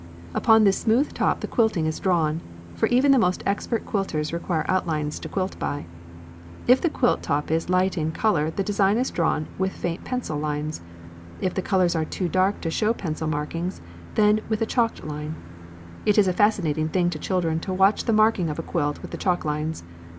Upon this smooth top the quilting is drawn, for even the most expert quilters require outlines to quilt by. If the quilt top is light in colour the design is drawn with faint pencil lines; if the colours are too dark to show pencil markings, then with a chalked line. It is a fascinating thing to children to watch the marking of a quilt with the chalk lines.